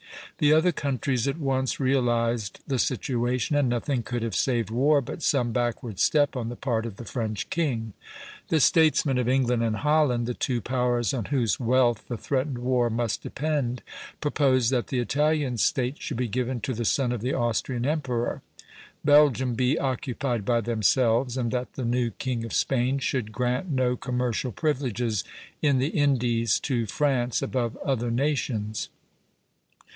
The other countries at once realized the situation, and nothing could have saved war but some backward step on the part of the French king. The statesmen of England and Holland, the two powers on whose wealth the threatened war must depend, proposed that the Italian States should be given to the son of the Austrian emperor, Belgium be occupied by themselves, and that the new king of Spain should grant no commercial privileges in the Indies to France above other nations.